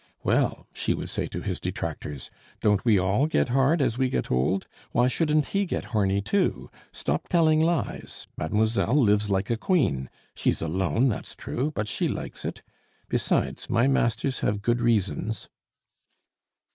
"Well!" she would say to his detractors, "don't we all get hard as we grow old? Why shouldn't he get horny too? Stop telling lies. Mademoiselle lives like a queen. She's alone, that's true; but she likes it. Besides, my masters have good reasons."